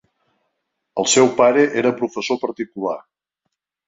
El seu pare era professor particular.